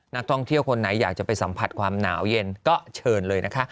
นักท่องเที่ยวคนไหนอยากจะไปสัมผัสความหนาวเย็นก็เชิญเลยนะคะ